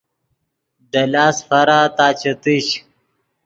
دے لاست فارا تا چے تیش